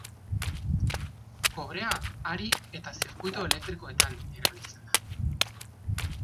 Kobrea hari eta zirkuitu elektrikoetan erabiltzen da.